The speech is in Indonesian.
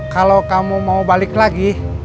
kalau kamu mau balik lagi